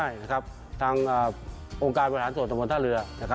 โอกาสมาบริหารสวนตำบลท่าเรือ